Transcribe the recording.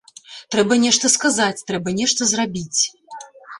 Трэба нешта сказаць, трэба нешта зрабіць.